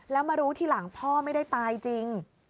แล้วมารู้ทีหลังพ่อไม่ได้ตายจริง